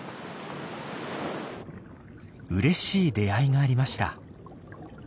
うれしい出会いがありました。